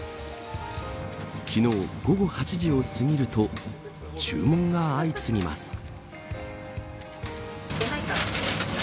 昨日、午後８時を過ぎると注文が相次ぎます。